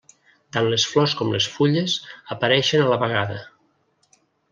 Tant les flors com les fulles apareixen a la vegada.